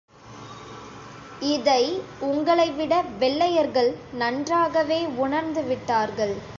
இதை உங்களைவிட வெள்ளையர்கள் நன்றாகவே உணர்ந்து விட்டார்கள்.